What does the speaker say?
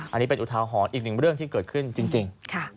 อันนี้เป็นอุทาหรณ์อีกหนึ่งเรื่องที่เกิดขึ้นจริง